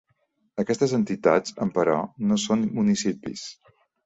Aquestes entitats, emperò no són municipis.